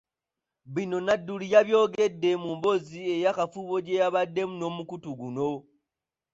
Bino Nadduli yabyogeredde mu mboozi ey'akafubo gye yabaddemu n'omukutu guno.